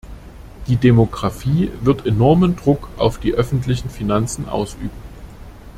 Die Demografie wird enormen Druck auf die öffentlichen Finanzen ausüben.